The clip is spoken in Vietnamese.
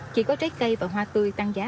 chỉ có trái cây và hoa tươi tăng giá